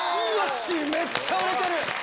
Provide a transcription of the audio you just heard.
めっちゃ売れてる！